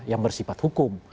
yang bersifat hukum